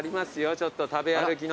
ちょっと食べ歩きの。